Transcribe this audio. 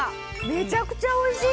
めちゃくちゃおいしい！